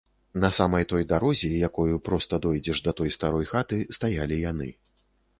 На самай той дарозе, якою проста дойдзеш да той старой хаты, стаялі яны.